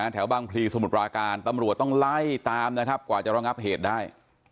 แถวบางพลีสมุทรปราการตำรวจต้องไล่ตามนะครับกว่าจะระงับเหตุได้